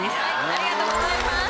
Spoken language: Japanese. ありがとうございます。